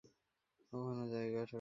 তখন ঐ যায়গাও, সরকারের হয়ে যায়।